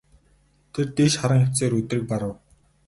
Тэр дээш харан хэвтсээр өдрийг барав.